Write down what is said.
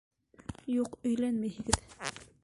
Юҡ, өйләнмәйһегеҙ!